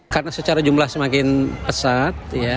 karena secara jumlah semakin pesat